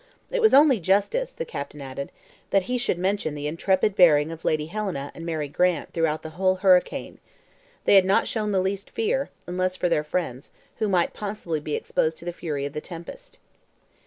"It was only justice," the captain added, "that he should mention the intrepid bearing of Lady Helena and Mary Grant throughout the whole hurricane. They had not shown the least fear, unless for their friends, who might possibly be exposed to the fury of the tempest."